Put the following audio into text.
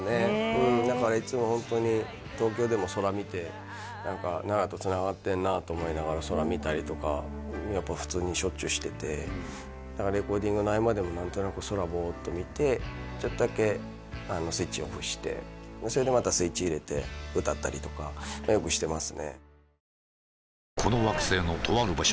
うんだからいつもホントに何か奈良とつながってんなあと思いながら空見たりとかやっぱ普通にしょっちゅうしてて何かレコーディングの合間でも何となく空ボーッと見てちょっとだけスイッチオフしてそれでまたスイッチ入れて歌ったりとかよくしてますねうわ